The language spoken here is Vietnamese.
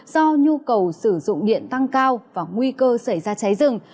do nhu cầu sử dụng điện tăng cao và nguy cơ xảy ra cháy rừng